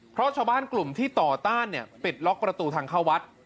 เพราะชาวบ้านกลุ่มที่ต่อต้านปิดล็อกประตูทางเข้าวัด